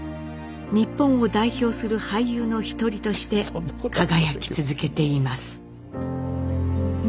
日本を代表する俳優の一人として輝き続けています。